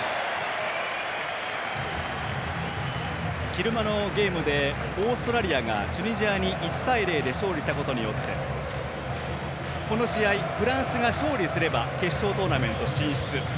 昼間のゲームでオーストラリアがチュニジアに１対０で勝利したことによってこの試合、フランスが勝利すれば決勝トーナメント進出。